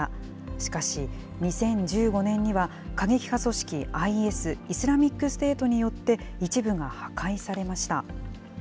しかし、２０１５年には過激派組織ＩＳ・イスラミックステートによって、一部が破壊されました。